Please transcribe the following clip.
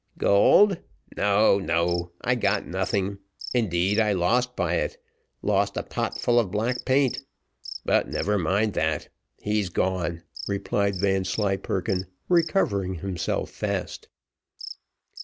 "Gold! no, no I got nothing indeed I lost by it lost a pot full of black paint but never mind that. He's gone," replied Vanslyperken, recovering himself fast.